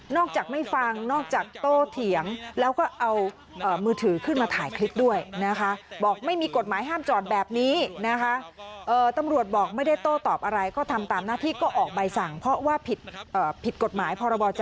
จากไม่ฟังนอกจากโตเถียงแล้วก็เอามือถือขึ้นมาถ่ายคลิปด้วยนะคะ